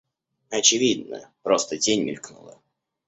Очевидно, просто тень мелькнула.